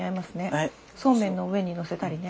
そうめんの上にのせたりね。